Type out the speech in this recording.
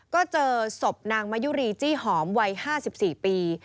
ก็เจอศพนางมะยุรีจี้หอมวัย๕๔ปี